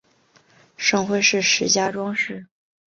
省会是石家庄市。